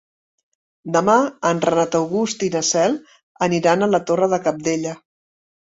Demà en Renat August i na Cel aniran a la Torre de Cabdella.